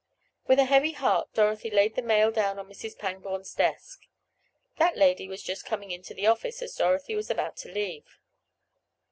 With a heavy heart Dorothy laid the mail down on Mrs. Pangborn's desk. That lady was just coming into the office as Dorothy was about to leave.